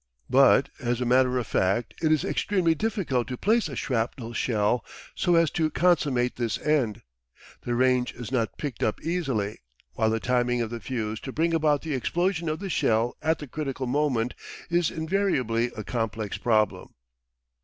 But as a matter of fact, it is extremely difficult to place a shrapnel shell so as to consummate this end. The range is not picked up easily, while the timing of the fuse to bring about the explosion of the shell at the critical moment is invariably a complex problem.